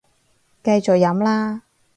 繼續飲啦